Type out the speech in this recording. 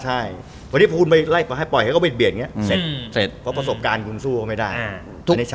ใช่วันนี้พวกคุณไปไล่ให้ปล่อยให้เขาเบียดเหมือนเงี้ยเสร็จ